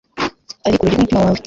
ari ku rugi rw'umutima wawe